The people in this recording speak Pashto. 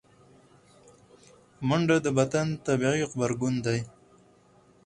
منډه د بدن طبیعي غبرګون دی